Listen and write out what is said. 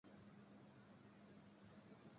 蔚山文化广播的放送局。